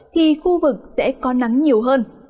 thì khu vực sẽ có nắng nhiều hơn